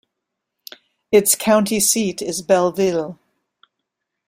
Its county seat is Belleville.